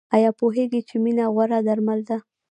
ایا پوهیږئ چې مینه غوره درمل ده؟